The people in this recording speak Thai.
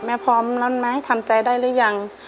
พร้อมแล้วไหมทำใจได้หรือยัง